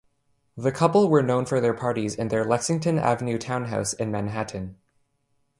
The couple were known for their parties in their Lexington Avenue townhouse in Manhattan.